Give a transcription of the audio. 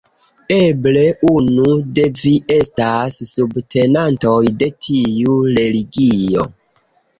Eble unu de vi estas subtenantoj de tiu religio.